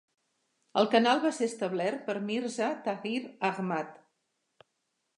El canal va ser establert per Mirza Tahir Ahmad.